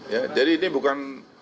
ya jadi ini bukan